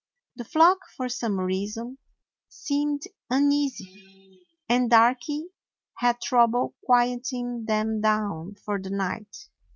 The flock, for some reason, seemed uneasy, and Darky had trouble quieting them down for the night.